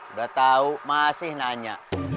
udah tau masih nanya